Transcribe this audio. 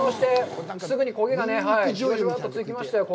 すぐに焦げがじわじわとつきましたよ。